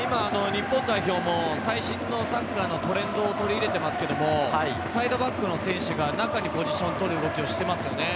日本代表も最新のサッカーのトレンドを取り入れていますけど、サイドバックの選手が中にポジションを取る動きをしていますよね。